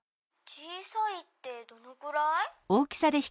「小さいってどのくらい？」。